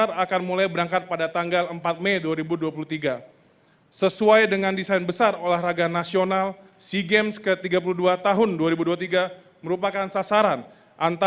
raya kebangsaan indonesia raya